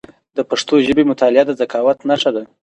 د پښتو ژبي مطالعه د ذکاوت نښه ده.